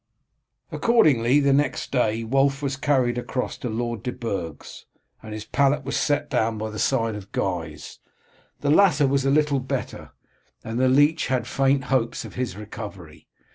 Accordingly the next day Wulf was carried across to Lord de Burg's, and his pallet set down by the side of Guy's. The latter was a little better, and the leech had faint hopes of his recovery.